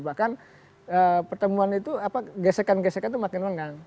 bahkan pertemuan itu gesekan gesekan itu makin lengang